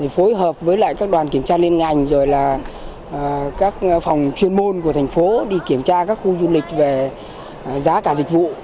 phối hợp với các đoàn kiểm tra liên ngành các phòng chuyên môn của thành phố đi kiểm tra các khu du lịch về giá cả dịch vụ